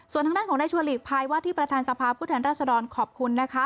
ส่วนทางด้านของนายชัวหลีกภัยว่าที่ประธานสภาพผู้แทนรัศดรขอบคุณนะคะ